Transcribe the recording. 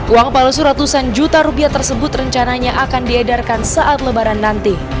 uang palsu ratusan juta rupiah tersebut rencananya akan diedarkan saat lebaran nanti